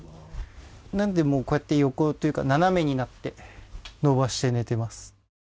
なので、こうやって横というか斜めになって伸ばして寝ています。